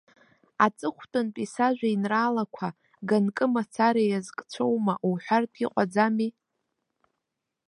Аҵыхәтәантәи сажәеинраалақәа ганкы мацара иазкцәоума уҳәартә иҟаӡами?